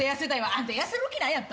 「あんた痩せる気ないやん。